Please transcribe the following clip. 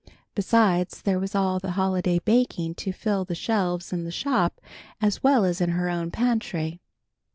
Besides there was all the holiday baking to fill the shelves in the shop as well as in her own pantry.